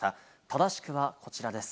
正しくはこちらです。